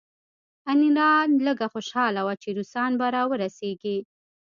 انیلا لږه خوشحاله وه چې روسان به راورسیږي